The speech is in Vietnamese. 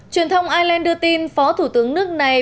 truyền thông ai lê đưa tin phó thủ tướng nước này